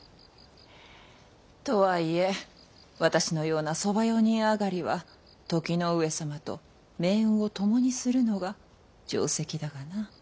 とはいえ私のような側用人上がりは時の上様と命運を共にするのが定石だがな。